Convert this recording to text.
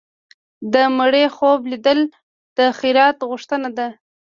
د مړي خوب لیدل د خیرات غوښتنه ده.